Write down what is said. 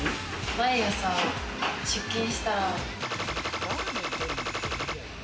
毎朝出勤したら。